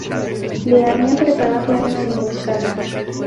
Le habían preparado una emboscada.